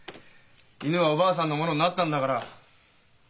犬はおばあさんのものになったんだから。